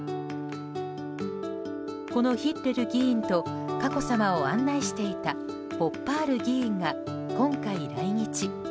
このヒッレル議員と佳子さまを案内していたホッパール議員が、今回来日。